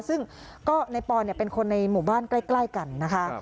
ซึ่งก็ในปอนเป็นคนในหมู่บ้านใกล้กันนะคะ